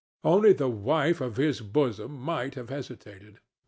Only the wife of his bosom might have hesitated.